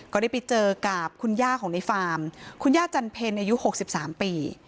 ก็ได้ไปเจอกับคุณย่าของในฟาร์มคุณย่าจันเพ็ญอายุ๖๓ปี